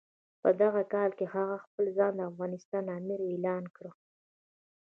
په دغه کال هغه خپل ځان د افغانستان امیر اعلان کړ.